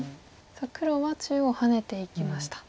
さあ黒は中央ハネていきました。